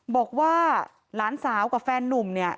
บอกว่าหลานสาวกับแฟนนุ่มเนี่ย